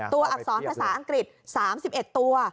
อักษรภาษาอังกฤษ๓๑ตัว